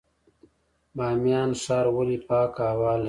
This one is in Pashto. بامیان ښار ولې پاکه هوا لري؟